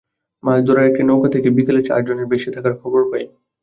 মাছ ধরার একটি নৌকা থেকে বিকেলে চারজনের ভেসে থাকার খবর পাই।